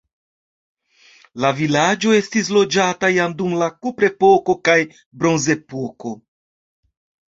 La vilaĝo estis loĝata jam dum la kuprepoko kaj bronzepoko.